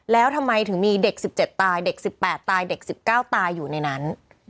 แล้วทำไมถึงมีเด็ก๑๗ตายเด็ก๑๘ตายเด็ก๑๙ตายอยู่ในนั้น